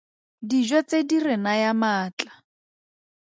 Dijo tse di re naya maatla.